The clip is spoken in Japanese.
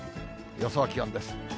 予想気温です。